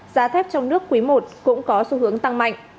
giá thép trong nước quý i cũng có xu hướng tăng mạnh